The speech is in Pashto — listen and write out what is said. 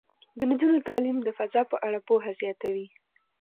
د نجونو تعلیم د فضا په اړه پوهه زیاتوي.